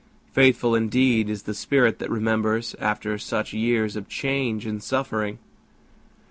Faithful indeed is the spirit that remembers After such years of change and suffering!